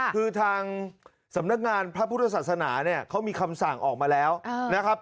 คือทางสำนักงานพระพุทธศาสนาเนี่ยเขามีคำสั่งออกมาแล้วนะครับ